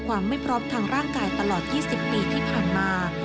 ไม่พร้อมทางร่างกายตลอด๒๐ปีที่ผ่านมา